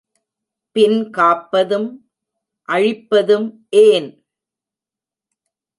பின் காப்பதும் அழிப்பதும் ஏன்?